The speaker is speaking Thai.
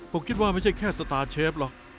ผมคิดว่าไม่ใช่แค่สตาร์เชฟหรอก